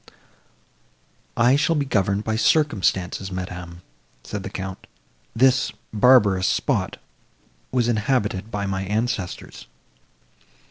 "I shall be governed by circumstances, madam," said the Count, "this barbarous spot was inhabited by my ancestors."